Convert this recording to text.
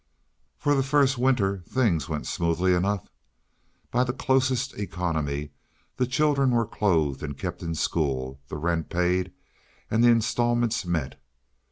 For the first winter things went smoothly enough. By the closest economy the children were clothed and kept in school, the rent paid, and the instalments met.